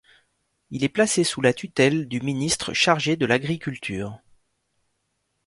Il est placé sous la tutelle du ministre chargé de l’agriculture.